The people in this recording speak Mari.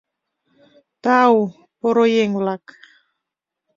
— Тау, поро еҥ-влак!